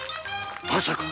まさか！？